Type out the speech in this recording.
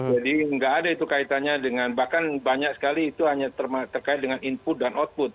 jadi nggak ada itu kaitannya dengan bahkan banyak sekali itu hanya terkait dengan input dan output